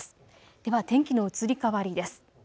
では天気の移り変わりです。